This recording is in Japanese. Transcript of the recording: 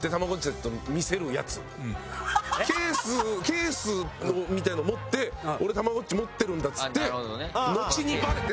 ケースみたいなのを持って「俺たまごっち持ってるんだ」っつって。